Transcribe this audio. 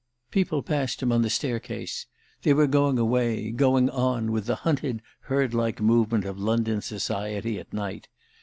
People passed him on the staircase; they were going away, going "on" with the hunted herdlike movement of London society at night.